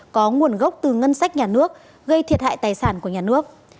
có nguồn gốc từ ngân sách nhà nước gây thiệt hại tài sản của nhà nước